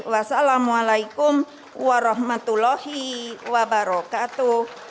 wassalamualaikum warahmatullahi wabarakatuh